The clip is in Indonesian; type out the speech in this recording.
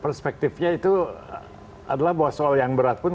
perspektifnya itu adalah bahwa soal yang berat pun